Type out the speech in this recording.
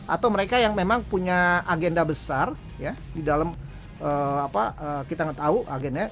atau mereka yang memang punya agenda besar ya di dalam kita tahu agennya